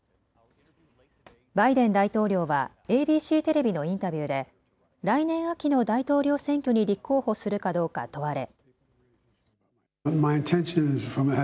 バイデン大統領はＡＢＣテレビのインタビューで来年秋の大統領選挙に立候補するかどうか問われ。